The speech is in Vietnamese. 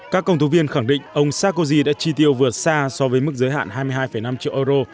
các công tố viên khẳng định ông sarkozy đã chi tiêu vượt xa so với mức giới hạn hai mươi hai năm triệu euro